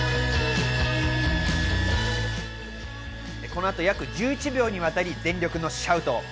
この後、約１１秒にわたり全力のシャウト。